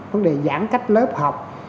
vấn đề giãn cách lớp học